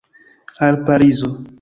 Al Parizo!